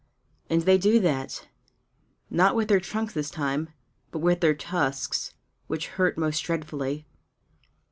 And they do that, not with their trunks this time, but with their tusks which hurt most dreadfully.